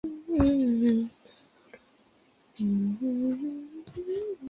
目前在国立台湾文学馆任职。